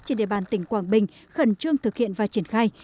trên địa bàn tỉnh quảng bình khẩn trương thực hiện và triển khai